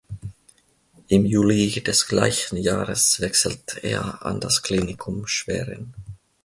Im Juli des gleichen Jahres wechselte er an das Klinikum Schwerin.